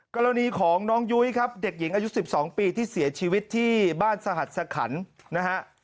กรณีของน้องยุ้ยครับเด็กหญิงอายุ๑๒ปีที่เสียชีวิตที่บ้านสหัสสะขันนะฮะ